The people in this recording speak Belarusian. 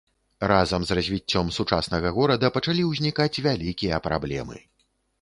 Разам з развіццём сучаснага горада пачалі ўзнікаць вялікія праблемы.